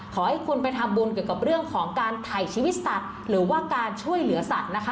ขอให้คุณไปทำบุญเกี่ยวกับเรื่องของการถ่ายชีวิตสัตว์หรือว่าการช่วยเหลือสัตว์นะคะ